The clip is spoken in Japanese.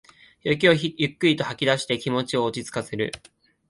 息をゆっくりと吐きだして気持ちを落ちつかせる